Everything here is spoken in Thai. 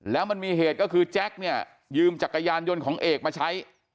แล้วมันมีเหตุก็คือแจ็คเนี่ยยืมจักรยานยนต์ของเอกมาใช้